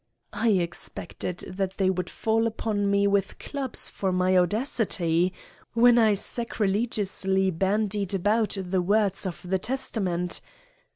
"I expected that they would fall upon me with clubs for my audacity: When I sacrilegiously bandied about the words of the Testament.